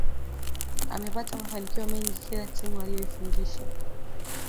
Amepata mafanikio mengi kila timu aliyoifundisha